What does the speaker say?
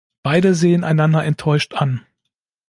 Beide sehen einander enttäuscht an.